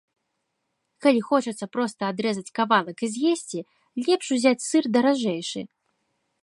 Калі хочацца проста адрэзаць кавалак і з'есці, лепш узяць сыр даражэйшы.